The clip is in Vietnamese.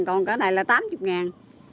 còn cái này là tám mươi ngàn